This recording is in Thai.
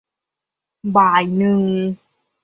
บ่ายหนึ่ง